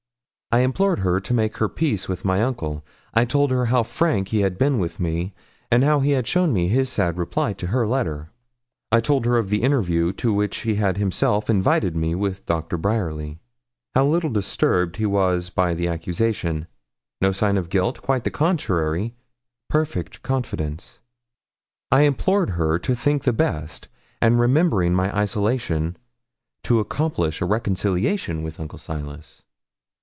I implored her to make her peace with my uncle. I told her how frank he had been with me, and how he had shown me his sad reply to her letter. I told her of the interview to which he had himself invited me with Dr. Bryerly; how little disturbed he was by the accusation no sign of guilt; quite the contrary, perfect confidence. I implored of her to think the best, and remembering my isolation, to accomplish a reconciliation with Uncle Silas.